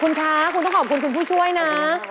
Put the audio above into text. คุณคะคุณต้องขอบคุณคุณผู้ช่วยนะ